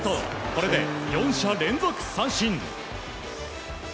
これで、４者連続三振。